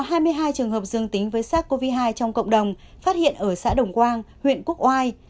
hai trường hợp dương tính với sars cov hai trong cộng đồng phát hiện ở xã đồng quang huyện quốc oai